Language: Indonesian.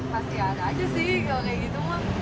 pasti ada aja sih kalau kayak gitu mah